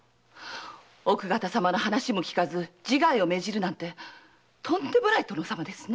奥方様の話も聞かず自害を命じるなんてとんでもない殿様ですね！